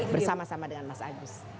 bersama sama dengan mas agus